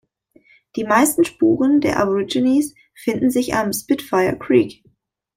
Die meisten Spuren der Aborigines finden sich am "Spitfire Creek".